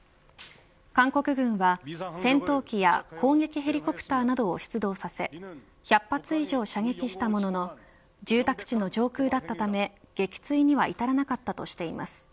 韓国軍は戦闘機や攻撃ヘリコプターなどを出動させ１００発以上射撃したものの住宅地の上空だったため撃墜には至らなかったとしています。